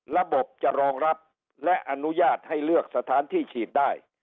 ระบบจะรองรับและอนุญาตให้เลือกสถานที่ฉีดได้